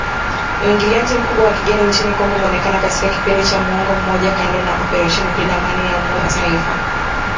uingiliaji mkubwa wa kigeni nchini Kongo umeonekana katika kipindi cha muongo mmoja kando na operesheni ya kulinda Amani ya Umoja wa Mataifa